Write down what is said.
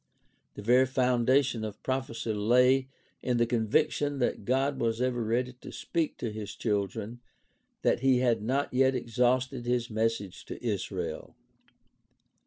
The very foundation of prophecy lay in the conviction that God was ever ready to speak to his children, that he had not yet exhausted his message to Israel.